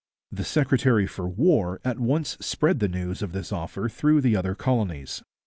The secretary for war at once spread the news of this offer through the other colonies.